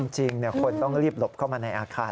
จริงคนต้องรีบหลบเข้ามาในอาคาร